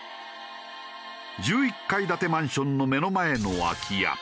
１１階建てマンションの目の前の空き家。